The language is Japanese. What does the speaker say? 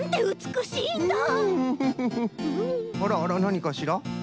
あらあらなにかしら？